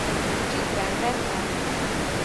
Kicsit rendetlen?